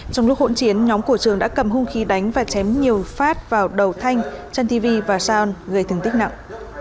trong lúc hỗn chiến nhóm của trường đã cầm hung khí đánh và chém nhiều phát vào đầu thanh trân tv và saon gây thương tích nặng